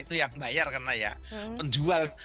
itu yang bayar karena ya penjual